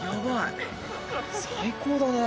「最高だね」